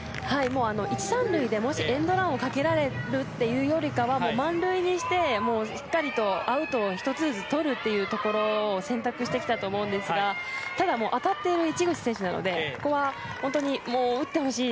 １・３塁でエンドランをかけられるというよりかは満塁にしてしっかりとアウトを１つずつ取るということを選択してきたと思うんですがただ当たっている市口選手なのでここは本当に打ってほしい。